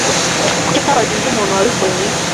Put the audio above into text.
Kuki atabajije undi muntu wabikoze?